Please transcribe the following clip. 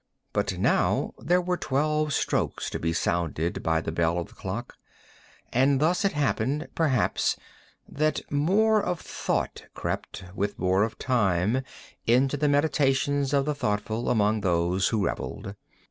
But now there were twelve strokes to be sounded by the bell of the clock; and thus it happened, perhaps, that more of thought crept, with more of time, into the meditations of the thoughtful among those who revelled.